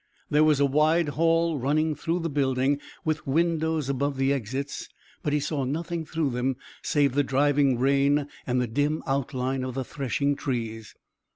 There was a wide hall running through the building, with windows above the exits, but he saw nothing through them save the driving rain and the dim outline of the threshing trees.